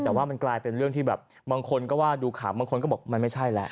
แต่ว่ามันกลายเป็นเรื่องที่แบบบางคนก็ว่าดูข่าวบางคนก็บอกมันไม่ใช่แหละ